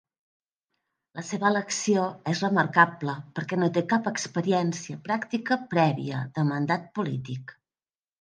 La seva elecció és remarcable perquè no té cap experiència pràctica prèvia de mandat polític.